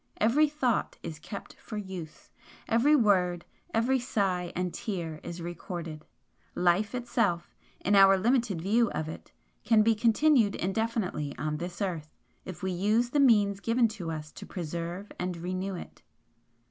Every thought is kept for use, every word, every sigh and tear is recorded. Life itself, in our limited view of it, can be continued indefinitely on this earth, if we use the means given to us to preserve and renew it.